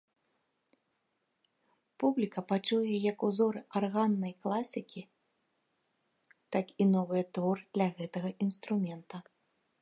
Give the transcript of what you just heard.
Публіка пачуе як узоры арганнай класікі, так і новыя творы для гэтага інструмента.